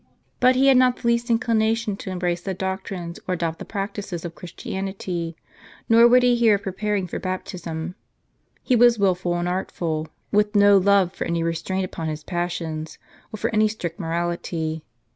But he had not the least inclination to embrace the doc trines, or adopt the practices of Christianity ; nor would he hear of preparing for baptism. He was wilful and artful, with no love for any restraint upon his passions, or for any strict morality.